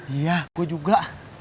iya gue juga